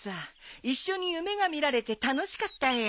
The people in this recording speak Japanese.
一緒に夢が見られて楽しかったよ。